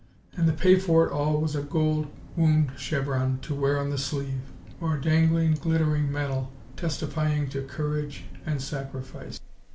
And the pay for it all was a gold wound chevron to wear on the sleeve, or a dangling, glittering medal testifying to courage and sacrifice!